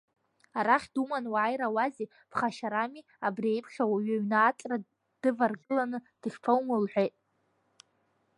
Арахь думаны уааирауазеи, ԥхашьарами, абри еиԥш ауаҩы аҩны ааҵра дываргыланы дышԥаумоу лҳәеит.